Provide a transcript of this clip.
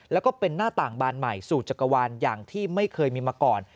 แล้วก็เป็นหน้าต่างบานใหม่สู่จักรวาลอย่างที่ไม่เคยมีมาก่อน